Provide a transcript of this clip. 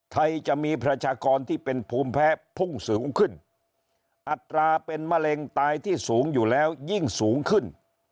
ไทยจะมีประชากรที่เป็นภูมิแพ้พุ่งสูงขึ้นอัตราเป็นมะเร็งตายที่สูงอยู่แล้วยิ่งสูงขึ้น